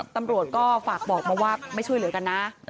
ตำรวจก็ฝากบอกมาว่าไม่ช่วยเหลือกันนะ